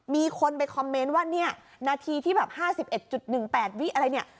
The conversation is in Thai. มีคนไปคอมเมนต์ว่าเนี้ยนาทีที่แบบห้าสิบเอ็ดจุดหนึ่งแปดวิอะไรเนี้ย